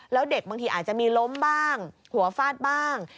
แล้วเด็กบางทีอาจจะมีล้มบ้างหัวฟาดบ้าง